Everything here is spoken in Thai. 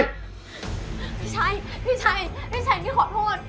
พี่ชัยพี่ชัยพี่ชัยพี่ขอโทษ